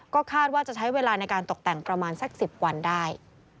ก็คาดว่าจะใช้เวลาในการตกแต่งประมาณสัก๑๐วันได้